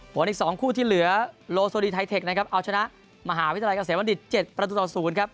ผลอีก๒คู่ที่เหลือโลโซลีไทเทคนะครับเอาชนะมหาวิทยาลัยเกษมบัณฑิต๗ประตูต่อ๐ครับ